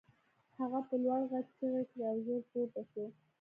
هغه په لوړ غږ چیغې کړې او ژر پورته شو